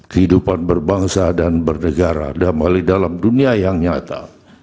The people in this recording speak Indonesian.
kehidupan berbangsa dan bernegara damai dalam dunia yang nyata